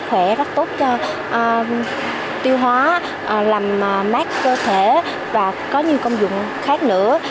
sản phẩm có lợi cho sức khỏe rất tốt cho tiêu hóa làm mát cơ thể và có nhiều công dụng khác nữa